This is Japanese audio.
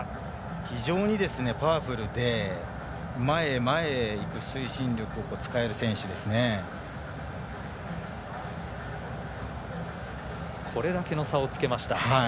非常にパワフルで前へ前へいく推進力をこれだけの差をつけました。